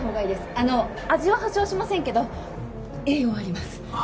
あの味は保証しませんけど栄養はあります。